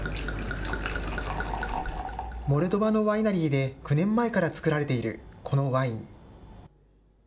モルドバのワイナリーで９年前から造られているこのワイン。